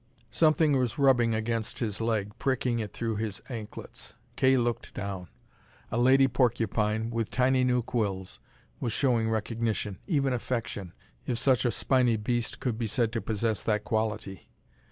Something was rubbing against his leg, pricking it through his anklets. Kay looked down. A lady porcupine, with tiny new quills, was showing recognition, even affection, if such a spiny beast could be said to possess that quality.